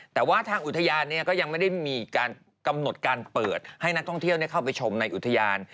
แต่ว่าทางอุทยานก็ยังไม่ได้มีการกำหนดการเปิดให้นักท่องเที่ยวเข้าไปชมในอุทยาน